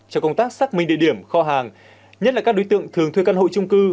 cho công tác xác minh địa điểm kho hàng nhất là các đối tượng thường thuê căn hộ trung cư